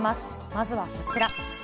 まずはこちら。